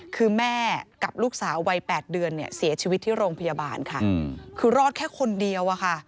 คือแม่กับลูกสาววัย๘เดือนเนี่ยเสียชีวิตที่โรงพยาบาลค่ะคือรอดแค่คนเดียวอะค่ะ